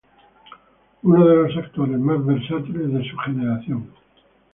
Uno de los actores más versátiles de su generación.